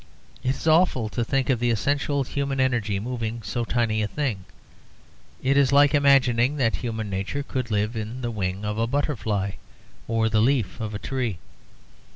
It is awful to think of the essential human energy moving so tiny a thing; it is like imagining that human nature could live in the wing of a butterfly or the leaf of a tree.